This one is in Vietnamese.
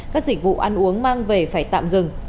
các dịch vụ ăn uống mang về phải tạm dừng